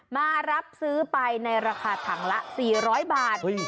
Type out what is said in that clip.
มารับซื้อไปในราคาถังละ๔๐๐บาท